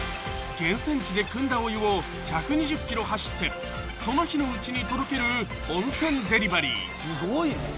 ［源泉地でくんだお湯を１２０ｋｍ走ってその日のうちに届ける温泉デリバリー］